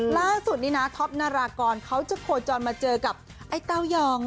ล่าสุดนี้นะท็อปนารากรเขาจะโคจรมาเจอกับไอ้เต้ายอง